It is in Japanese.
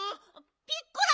ピッコラ！